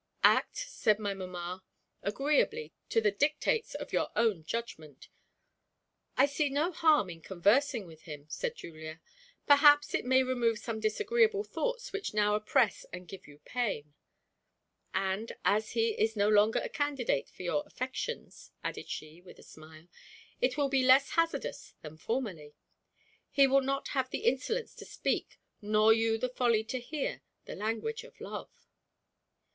"Act," said my mamma, "agreeably to the dictates of your own judgment." "I see no harm in conversing with him," said Julia. "Perhaps it may remove some disagreeable thoughts which now oppress and give you pain. And as he is no longer a candidate for your affections," added she with a smile, "it will be less hazardous than formerly. He will not have the insolence to speak, nor you the folly to hear, the language of love."